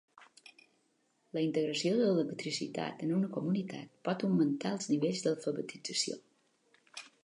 La integració de l'electricitat en una comunitat pot augmentar els nivells d'alfabetització.